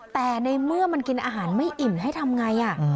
แต่ในเมื่อมันกินอาหารไม่อิ่มให้ทำไง